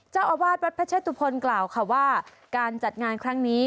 เจ้าอาวาสวัดพระเชตุพลกล่าวค่ะว่าการจัดงานครั้งนี้